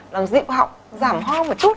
làm dịu họng giảm hô một chút